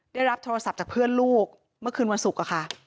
ได้รับโทรศัพท์จากเพื่อนลูกเมื่อคืนวันศุกร์ค่ะ